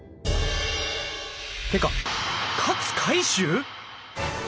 てか勝海舟！？